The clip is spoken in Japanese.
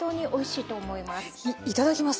いただきます。